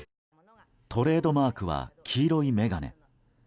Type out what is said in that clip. トレードマークは黄色い眼鏡。